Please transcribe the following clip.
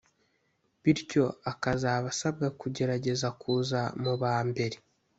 bityo akazaba asabwa kugerageza kuza mu ba mbere